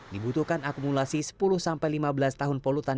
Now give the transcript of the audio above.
dibutuhkan akumulasi sepuluh sampai lima belas tahun polutan